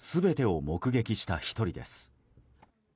全てを目撃した１人です。